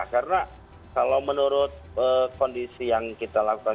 karena kalau menurut kondisi yang kita lakukan